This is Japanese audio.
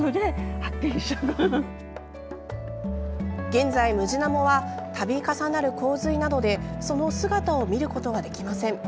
現在、ムジナモは度重なる洪水などでその姿を見ることはできません。